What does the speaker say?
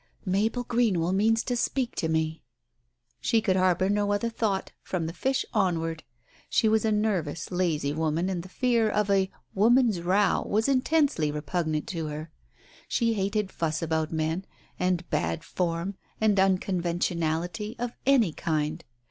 "Mabel Greenwell means to speak to me!" She could harbour no other thought, from the fish onward. She was a nervous, lazy woman, and the fear of a "woman's row" was intensely repugnant to her. She hated fuss about men, and bad form, and uncon ventionally of any kind.